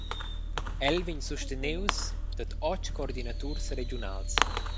El vegn sustenius dad otg coordinaturs regiunals.